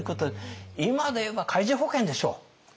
今でいえば海上保険でしょう。